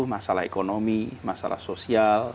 masalah ekonomi masalah sosial